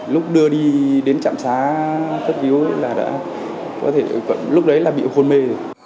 lúc đưa đi đến trạm xá thất yếu lúc đấy là bị hôn mê